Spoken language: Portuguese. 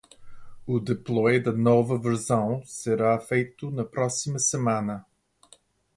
O deploy da nova versão será feito na próxima semana.